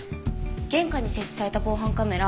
玄関に設置された防犯カメラ